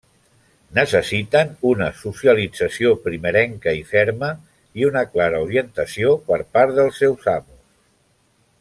Necessiten una socialització primerenca i ferma i una clara orientació per part dels seus amos.